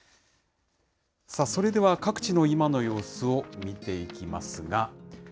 さあ、それでは各地の今の様子を見ていきますが。